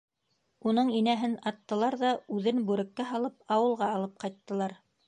Уның инәһен аттылар ҙа үҙен, бүреккә һалып, ауылға алып ҡайттылар.